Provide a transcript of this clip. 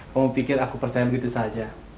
kamu pikir aku percaya begitu saja